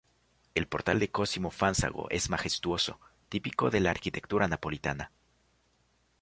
El portal de Cosimo Fanzago es majestuoso, típico de la arquitectura napolitana.